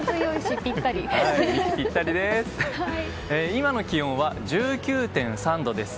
今の気温は１９．３度です。